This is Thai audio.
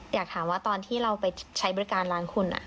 อยากถามว่าตอนที่เราไปใช้บริการร้านคุณ